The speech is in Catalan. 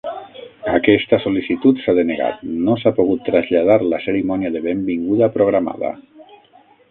Aquesta sol·licitud s'ha denegat: no s'ha pogut traslladar la cerimònia de benvinguda programada.